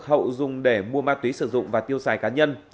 hậu dùng để mua ma túy sử dụng và tiêu xài cá nhân